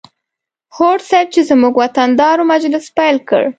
هوډ صیب چې زموږ وطن دار و مجلس پیل کړ.